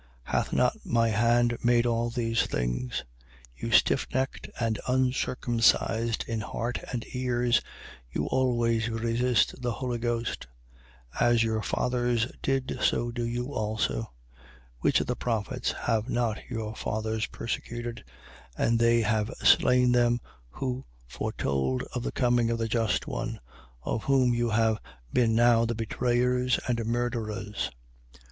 7:50. Hath not my hand made all these things? 7:51. You stiffnecked and uncircumcised in heart and ears, you always resist the Holy Ghost. As your fathers did, so do you also. 7:52. Which of the prophets have not your fathers persecuted? And they have slain them who foretold of the coming of the Just One: of whom you have been now the betrayers and murderers.